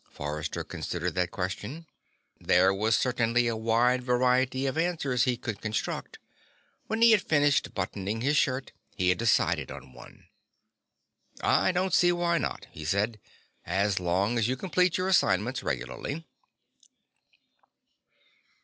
Forrester considered that question. There was certainly a wide variety of answers he could construct. When he had finished buttoning his shirt he had decided on one. "I don't see why not," he said, "so long as you complete your assignments regularly."